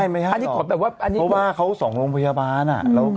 ไม่ใช่หรอกเพราะว่าเขาส่องโรงพยาบาล